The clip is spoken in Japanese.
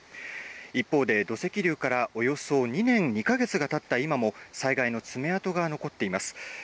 一方で土石流からおよそ２年２か月がたった今も災害の爪跡が残っています。